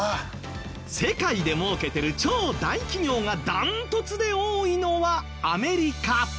世界で儲けてる超大企業がダントツで多いのはアメリカ。